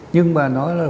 nhưng mà nó là